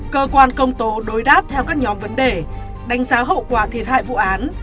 cơ quan công tố đối đáp theo các nhóm vấn đề đánh giá hậu quả thiệt hại vụ án